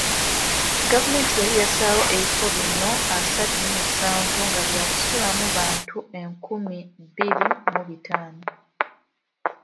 Gavumenti yali yassaawo ebifo bino asatu mu musanvu nga bisuubirwamu abantu enkumi bbiri mu bitaano.